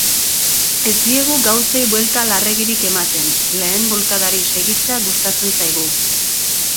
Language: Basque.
Ez diegu gauzei buelta larregirik ematen, lehen bulkadari segitzea gustatzen zaigu.